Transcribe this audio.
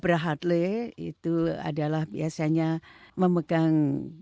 berhadle itu adalah biasanya memegang